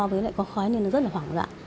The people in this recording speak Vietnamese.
với lại có khói nên nó rất là hoảng loạn